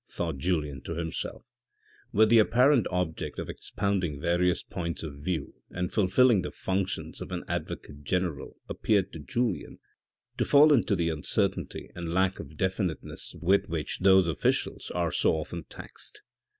thought Julien to himself) with the apparent object of expounding various points of view and fulfilling the functions of an advocate general, appeared to Julien to fall into the uncertainty and lack of definiteness with which those officials are so often taxed.